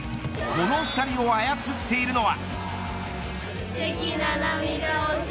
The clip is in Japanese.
この２人を操っているのは。